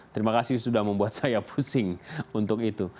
terima kasih sudah membuat saya pusing untuk itu